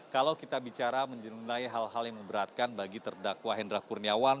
kalau kita bicara mengenai hal hal yang memberatkan bagi terdakwa hendra kurniawan